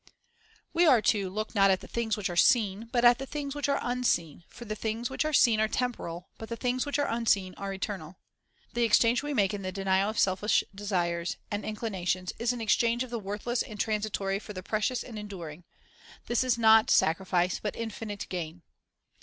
We are to "look not at the things which are seen, The Things but at the things which are not seen; for the things which are seen are temporal; but the things which are not seen are eternal." 1 The exchange we make in the denial of selfish desires and inclinations is an exchange of the worthless and transitory for the precious and enduring. This is not sacrifice, but infinite gain.